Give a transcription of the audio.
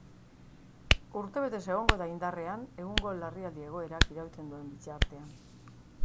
Urtebetez egongo da indarrean, egungo larrialdi-egoerak irauten duen bitartean.